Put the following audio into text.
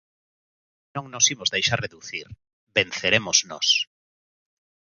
Non nos imos deixar reducir, Venceremos Nós.